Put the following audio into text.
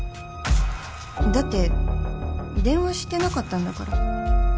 だって電話してなかったんだから